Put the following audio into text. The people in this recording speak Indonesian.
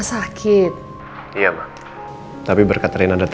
sampai ketemu lagi